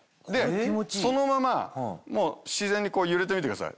そのまま自然に揺れてみてください。